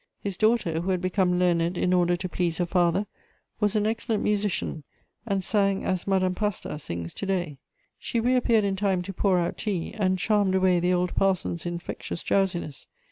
His daughter, who had become learned in order to please her father, was an excellent musician, and sang as Madame Pasta sings to day. She reappeared in time to pour out tea, and charmed away the old parson's infectious drowsiness.